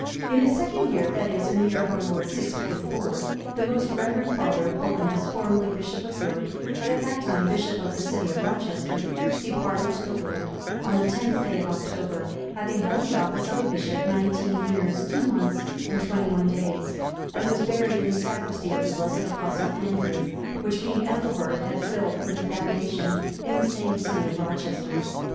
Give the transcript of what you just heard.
In his second year, that is, in the year of our Lord 644, the most reverend Father Paulinus, formerly Bishop of York, but at that time Bishop of the city of Rochester, departed to the Lord, on the 10th day of October, having held the office of a bishop nineteen years, two months, and twenty one days; and was buried in the sacristy of the blessed Apostle Andrew,(358) which King Ethelbert had built from the foundation, in the same city of Rochester.